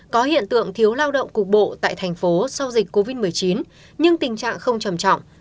có hiện tượng thiếu lao động cục bộ tại thành phố sau dịch covid một mươi chín nhưng tình trạng không trầm trọng